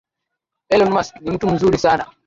Elon Musk ni mtu mzuri sana